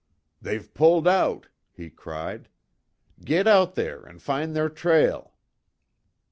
"They've pulled out!" he cried. "Git out there an' find their trail!"